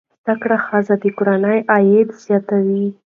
زده کړه ښځه د کورنۍ عاید زیاتوي.